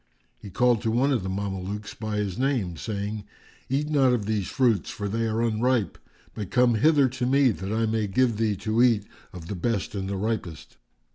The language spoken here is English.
He called to one of the Mamelukes by his name, saying, "Eat not of these fruits, for they are unripe; but come hither to me, that I may give thee to eat of the best and the ripest."